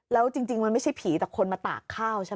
แล้วจริงมันไม่ใช่ผีแต่คนมาตากข้าวใช่ไหม